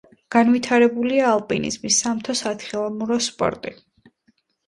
განვითარებულია ალპინიზმი, სამთო სათხილამურო სპორტი.